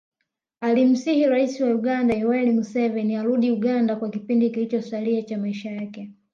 Alimsihi rais wa Uganda Yoweri Museveni arudi Uganda kwa kipindi kilichosalia cha maisha yake